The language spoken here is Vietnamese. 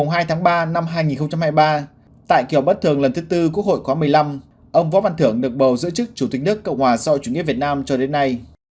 ngày hai tháng ba năm hai nghìn hai mươi ba tại kiểu bất thường lần thứ bốn quốc hội khóa một mươi năm ông võ văn thường được bầu giữ chức chủ tịch đức cộng hòa doi chủ nghĩa việt nam cho đến nay